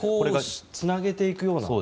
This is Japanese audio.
つなげていくような。